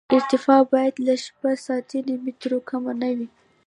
ارتفاع باید له شپېته سانتي مترو کمه نه وي